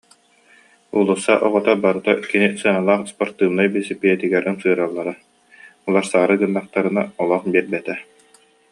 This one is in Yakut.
Уулусса оҕото барыта кини сыаналаах ыспартыыбынай бэлэсэпиэтигэр ымсыыраллара, уларсаары гыннахтарына олох биэрбэтэ